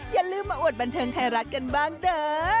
อย่าลืมมาอวดบันเทิงไทยรัฐกันบ้างเด้อ